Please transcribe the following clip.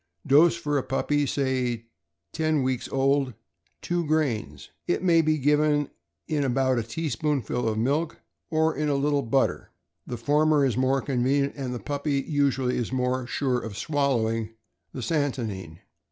Dose for a puppy, say ten weeks old, two grains. It may be given in about a teaspoonf ul of milk or in a little butter; the former is the more convenient, and the puppy usually is more sure of swallowing the santonine.